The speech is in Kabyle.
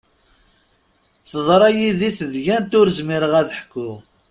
Teḍra yidi tedyant ur zmireɣ ad ḥkuɣ.